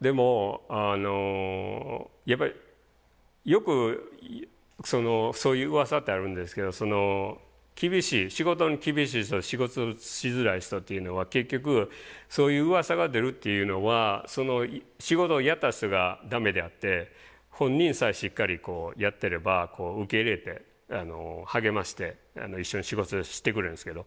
でもやっぱりよくそういううわさってあるんですけど厳しい仕事に厳しい人で仕事しづらい人っていうのは結局そういううわさが出るっていうのはその仕事をやった人がダメであって本人さえしっかりやってれば受け入れて励まして一緒に仕事してくれるんですけど。